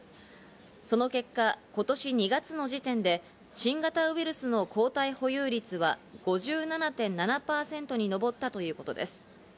その結果、今年２月の時点で新型ウイルスの抗体保有率は５７．７％に上ったということです。